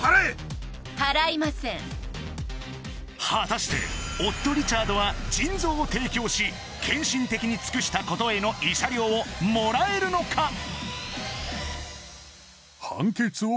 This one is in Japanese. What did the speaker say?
果たして夫・リチャードは腎臓を提供し献身的に尽くしたことへの慰謝料をもらえるのか？